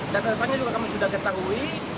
data datanya juga kami sudah ketahui